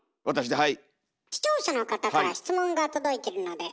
はい。